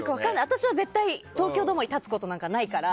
私は絶対、東京ドームに立つことはないから。